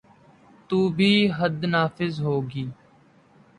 تو بھی حد نافذ ہو گی۔